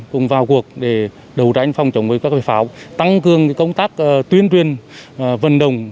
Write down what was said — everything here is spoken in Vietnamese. cùng vào cuộc để đấu tranh phòng chống với các loại pháo tăng cương công tác tuyên truyền vận động